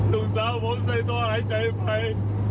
ลูกสาวผมใส่ตัวหายใจไป